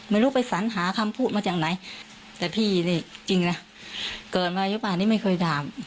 ไม่รู้ไปสัญหาคำพูดมาจากไหนแต่พี่นี่จริงนะเกิดมาหรือเปล่านี่ไม่เคยถาม